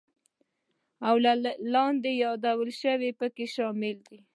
او لاندې یاد شوي پکې شامل دي: